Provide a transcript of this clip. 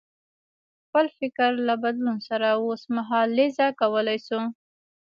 خپل فکر له بدلون سره اوسمهالیزه کولای شو.